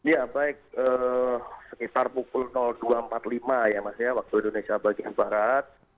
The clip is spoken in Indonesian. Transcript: ya baik sekitar pukul dua empat puluh lima ya mas ya waktu indonesia bagian barat